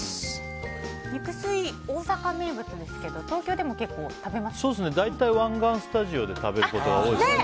肉吸い、大阪名物ですけど東京でも結構大体、湾岸スタジオで食べることが多いですね。